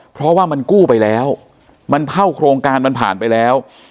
เพราะว่ามันกู้ไปแล้วมันเท่าโครงการมันผ่านไปแล้ว